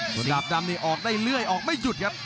ส่วนหลาบดำนี่ออกได้เรื่อยออกไม่หยุดครับ